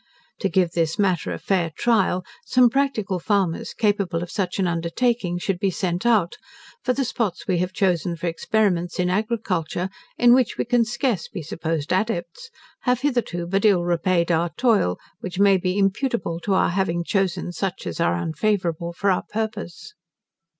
To give this matter a fair trial, some practical farmers capable of such an undertaking should be sent out; for the spots we have chosen for experiments in agriculture, in which we can scarce be supposed adepts, have hitherto but ill repaid our toil, which may be imputable to our having chosen such as are unfavourable for our purpose.